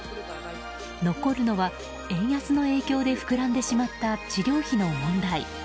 残るのは、円安の影響で膨らんでしまった治療費の問題。